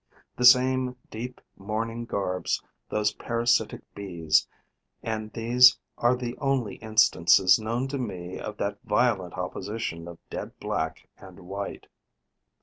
The same deep mourning garbs those parasitic Bees, and these are the only instances known to me of that violent opposition of dead black and white.